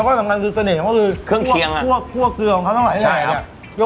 ข้อสำคัญคือเสน่ห์คือกลั้วเกลือข้างล่างขนาดหลายเนี่ยเนี่ยแล้วหลวงมาเนี่ย